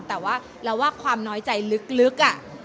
แต่ว่าเราว่าความน้อยใจลึก